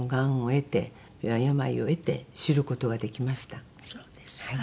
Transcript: そうですか。